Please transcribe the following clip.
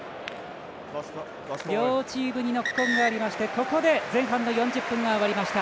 両チームにノックオンがありましてここで前半の４０分が終わりました。